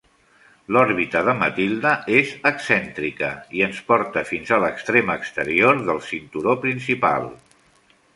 L'òrbita de Mathilde és excèntrica, i ens porta fins a l'extrem exterior del cinturó principal.